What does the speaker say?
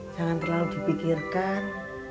jangan terlalu dipikirkan